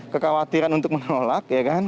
kekhawatiran untuk menolak ya kan